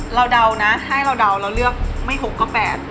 เดานะให้เราเดาเราเลือกไม่๖ก็๘